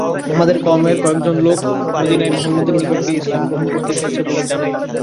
আমাদের কওমের কয়েকজন লোক মদীনায় মুহাম্মাদের নিকট গিয়ে ইসলাম গ্রহণ করতে এসেছে বলে জানায়।